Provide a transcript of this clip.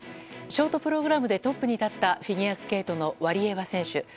ショートプログラムでトップに立ったフィギュアスケートのワリエワ選手。